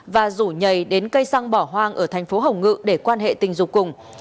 và rủ nhảy đến cây xăng bảo hoàng ở thành phố hồng ngự để quan hệ tình dục cùng